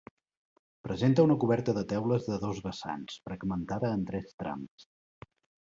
Presenta una coberta de teules de dos vessants fragmentada en tres trams.